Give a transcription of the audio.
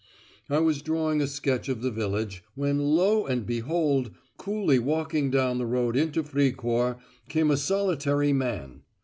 I was drawing a sketch of the village, when lo! and behold! coolly walking down the road into Fricourt came a solitary man.